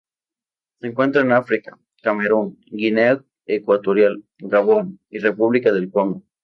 Se encuentran en África: Camerún, Guinea Ecuatorial, Gabón y República del Congo.